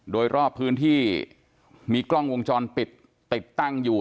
โดยรอบพื้นที่มีกล้องวงจรปิดติดตั้งอยู่